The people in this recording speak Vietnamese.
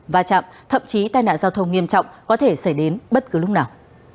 và chạm thậm chí tai nạn giao thông nghiêm trọng có thể xảy đến bất cứ lúc nào